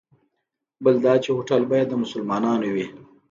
بل دا چې هوټل باید د مسلمانانو وي.